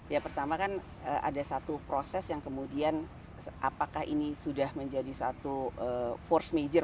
ya pertama kan ada satu proses yang kemudian apakah ini sudah menjadi satu force major